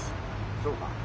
そうか。